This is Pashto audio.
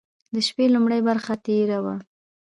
د شپې لومړۍ برخه تېره وه.